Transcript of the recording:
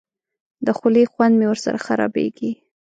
د خولې خوند مې ورسره خرابېږي.